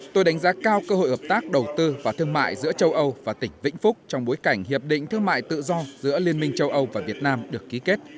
tôi đánh giá cao cơ hội hợp tác đầu tư và thương mại giữa châu âu và tỉnh vĩnh phúc trong bối cảnh hiệp định thương mại tự do giữa liên minh châu âu và việt nam được ký kết